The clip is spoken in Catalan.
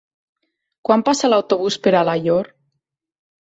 Quan passa l'autobús per Alaior?